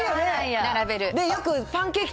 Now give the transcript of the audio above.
並べる。